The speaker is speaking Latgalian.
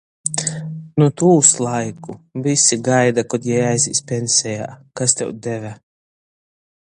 Nu tūs laiku. Vysi gaida, kod jei aizīs pensejā. Kas tev deve.